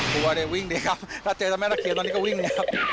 ผมกลัวเลยวิ่งเลยครับถ้าเจอแม่ตะเคียนตอนนี้ก็วิ่งเลยครับ